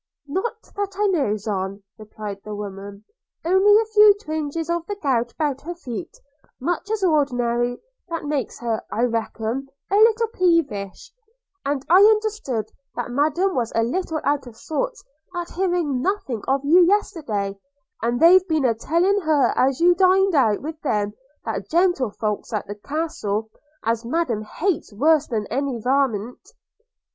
'Not that I knows on,' replied the woman – 'Only a few twinges of the gout about her feet, much as ordinary, that makes her, I reckon, a little peevish: and I understood that Madam was a little out of sorts at hearing nothing of you yesterday; and they've been a telling her as how you dined out with them there gentlefolks at the Castle, as Madam hates worse than any varmint.'